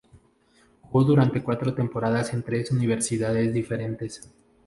Jugó durante cuatro temporadas en tres universidades diferentes.